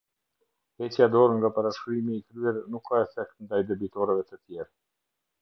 Heqja dorë nga parashkrimi i kryer nuk ka efekt ndaj debitorëve të tjerë.